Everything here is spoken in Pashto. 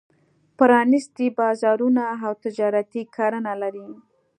پرانېستي بازارونه او تجارتي کرنه لري.